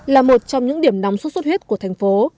là một trong những điểm nóng sốt xuất huyết của thành phố